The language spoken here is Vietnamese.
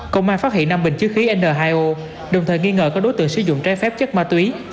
công an phát hiện năm bình chứa khí n hai o đồng thời nghi ngờ có đối tượng sử dụng trái phép chất ma túy